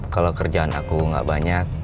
kalau kerjaan aku gak banyak